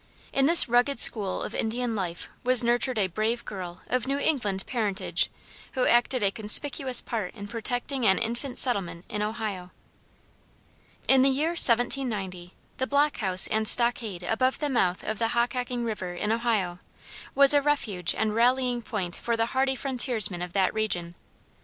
In this rugged school of Indian life was nurtured a brave girl of New England parentage, who acted a conspicuous part in protecting an infant settlement in Ohio. [Footnote: Finley's Autobiography.] In the year 1790, the block house and stockade above the mouth, of the Hockhocking river in Ohio, was a refuge and rallying point for the hardy frontiersmen of that region.